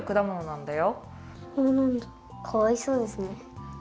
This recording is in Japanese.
そうなんだかわいそうですね。